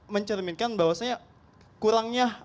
mencerminkan bahwasannya kurangnya